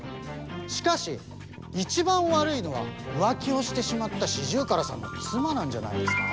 しかし一番悪いのは浮気をしてしまったシジュウカラさんの妻なんじゃないですか？